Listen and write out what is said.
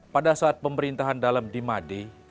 pada saat pemerintahan dalam di made